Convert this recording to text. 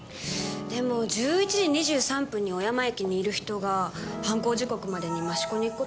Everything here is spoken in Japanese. でも１１時２３分に小山駅にいる人が犯行時刻までに益子に行く事は出来ません。